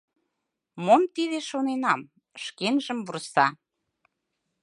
Мом тиде шоненам? — шкенжым вурса.